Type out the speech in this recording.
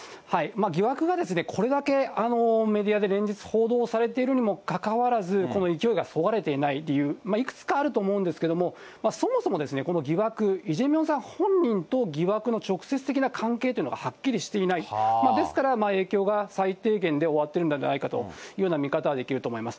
疑惑がですね、これだけメディアで連日、報道されているにもかかわらず、この勢いがそがれていない理由、いくつかあると思うんですけれども、そもそも、この疑惑、イ・ジェミョンさん本人と疑惑の直接的な関係というのがはっきりしていない、ですから影響が最低限で終わってるんではないかという見方ができると思います。